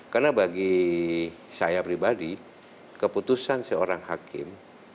karena bagi saya pribadi keputusan seorang hakim